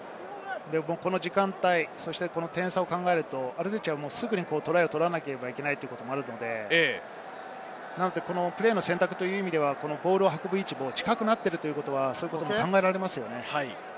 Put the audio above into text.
この時間帯、点差を考えると、アルゼンチンはトライを取らなければいけないということがあるので、プレーの選択という意味ではボールの運ぶ位置も近くなっていることが考えられます。